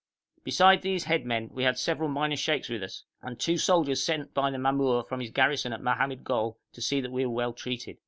Besides these head men we had several minor sheikhs with us, and two soldiers sent by the mamour from his garrison at Mohammed Gol to see that we were well treated.